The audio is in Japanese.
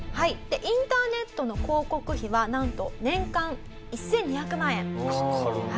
でインターネットの広告費はなんと年間１２００万円。